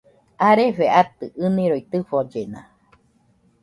Arefe atɨ ɨniroi tɨfollena